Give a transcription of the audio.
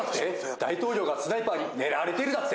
大統領がスナイパーに狙われているだって？